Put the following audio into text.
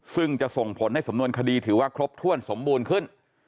ซึ่งจะส่งผลให้สำนวนคดีถือว่าครบถ้วนสมบูรณ์ขึ้น